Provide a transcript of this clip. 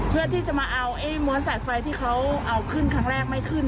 เพื่อที่จะมาเอาไอ้ม้วนสายไฟที่เขาเอาขึ้นครั้งแรกไม่ขึ้น